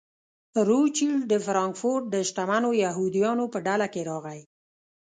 روچیلډ د فرانکفورټ د شتمنو یهودیانو په ډله کې راغی.